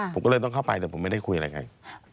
ผมก็เลยต้องเข้าไปแต่ผมไม่ได้คุยอะไรกัน